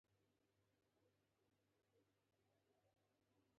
ګرګین له رنګه سور و او شنې سترګې یې درلودې.